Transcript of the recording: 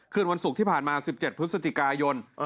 คืนวันศุกร์ที่ผ่านมา๑๗พฤศจิกายน